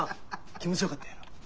気持ちよかったやろ？